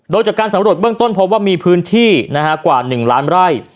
โดยจากการสำรวจเบื้องต้นพบว่ามีพื้นที่กว่า๑ล้านไร่